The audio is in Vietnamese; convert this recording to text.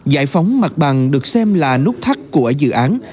giải phóng mặt bằng được xem là nút thắt của dự án